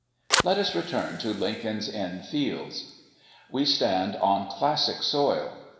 Let us return to Lincoln's Inn Fields. We stand on classic soil.